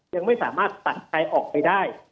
ยังไม่สามารถตัดใครออกไปได้